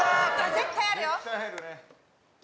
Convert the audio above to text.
絶対あるよ！